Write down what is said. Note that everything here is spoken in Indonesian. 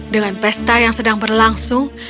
dengan pesta yang sedang berlangsung